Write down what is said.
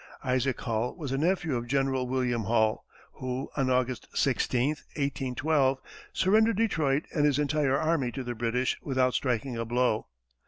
Isaac Hull was a nephew of General William Hull, who, on August 16, 1812, surrendered Detroit and his entire army to the British without striking a blow.